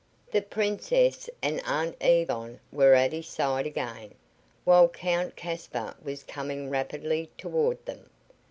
The Princess and Aunt Yvonne were at his side again, while Count Caspar was coming rapidly toward them.